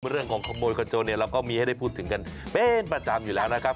เรื่องของขโมยขโจนเนี่ยเราก็มีให้ได้พูดถึงกันเป็นประจำอยู่แล้วนะครับ